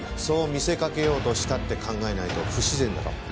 そう見せ掛けようとしたって考えないと不自然だろ。